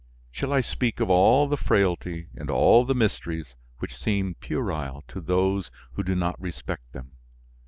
Shall I speak of all the frailty and all the mysteries which seem puerile to those who do not respect them?